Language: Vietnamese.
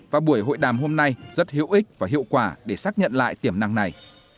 và buổi hội đàm hôm nay rất hữu ích và hiệu quả để xác nhận lại tiềm năng này